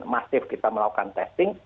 masif kita melakukan testing